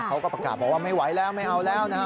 เขาก็ประกาศบอกว่าไม่ไหวแล้วไม่เอาแล้วนะฮะ